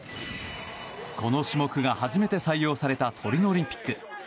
この種目が初めて採用されたトリノオリンピック。